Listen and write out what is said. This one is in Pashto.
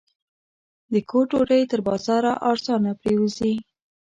د کور ډوډۍ تر بازاره ارزانه پرېوځي.